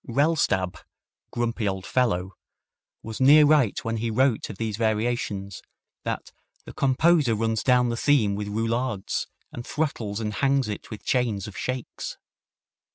Rellstab, grumpy old fellow, was near right when he wrote of these variations that "the composer runs down the theme with roulades, and throttles and hangs it with chains of shakes."